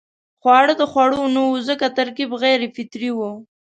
خواړه د خوړو نه وو ځکه ترکیب غیر فطري وو.